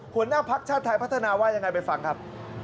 หัวหน้าภักดิ์ชาติไทยพัฒนาว่ายังไงไปฟังครับ